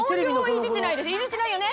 いじってないよね？